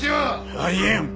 あり得ん！